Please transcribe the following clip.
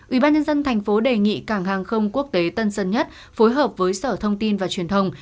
ubnd tp đề nghị cảng hàng không quốc tế tân sơn nhất phối hợp với sở thông tin và truyền thông